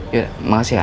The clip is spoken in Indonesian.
ya makasih ya